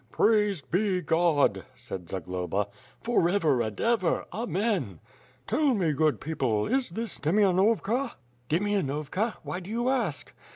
"Praised be God," said Zagloba. "For ever and ever. Amen." "Tell me, good people, is this Demainovka?" "Demainovka? Why do you ask?"